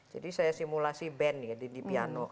jadi saya simulasi band ya di piano